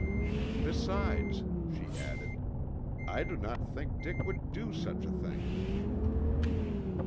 "Besides," she added, "I do not think Dick would do such a thing."